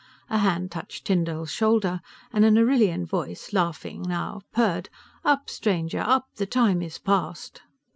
A hand touched Tyndall's shoulder and an Arrillian voice, laughing now, purred, "Up stranger, up, The Time is past."